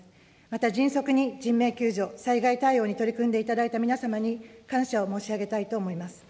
また、迅速に人命救助、災害対応に取り組んでいただいた皆様に、感謝を申し上げたいと思います。